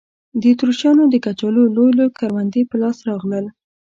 د اتریشیانو د کچالو لوی لوی کروندې په لاس راغلل.